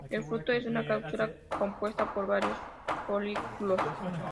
El fruto es una cápsula compuesta por varios folículos.